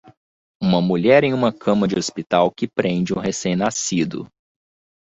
Uma mulher em uma cama de hospital que prende um recém-nascido.